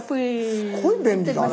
すごい便利だね。